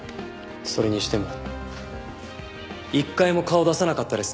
それにしても一回も顔出さなかったですね